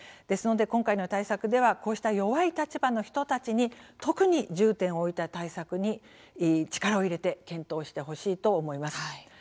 ですので、今回の対策ではこうした弱い立場の人たちに特に重点を置いた対策に力を入れて検討してほしいと思います。